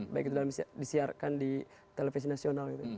baik itu dalam disiarkan di televisi nasional gitu